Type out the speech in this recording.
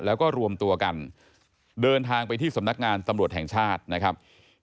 แล้วก็รวมตัวกันเดินทางไปที่สำนักงานตำรวจแห่งชาตินะครับ